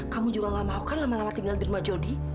kamu juga gak mau kan lama lama tinggal di rumah jody